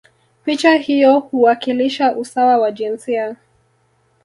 picha hiyo huwakilisha usawa wa jinsia